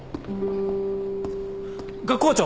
学校長！